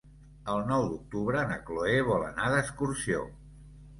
El nou d'octubre na Cloè vol anar d'excursió.